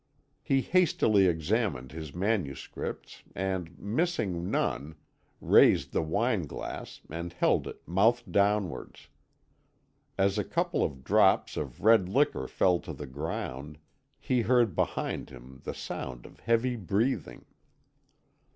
He hastily examined his manuscripts and, missing none, raised the wine glass and held it mouth downwards. As a couple of drops of red liquor fell to the ground, he heard behind him the sound of heavy breathing.